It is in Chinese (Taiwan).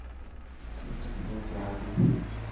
身心都加入